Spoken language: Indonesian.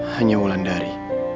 hanya bulan dari